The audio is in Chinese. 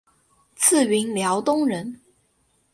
自云辽东人。